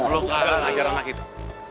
gak ada yang ngajar ngajar gitu